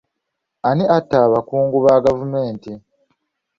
Ani atta abakungu ba gavumenti?